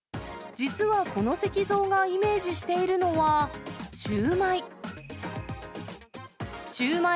実はこの石像がイメージしているのは、シューマイ。